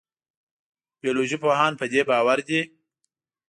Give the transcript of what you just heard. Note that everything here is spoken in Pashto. بیولوژي پوهان په دې باور دي.